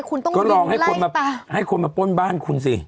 คุณต้องยิ่งไล่ตามก็ลองให้คนมาป้นบ้านคุณสิ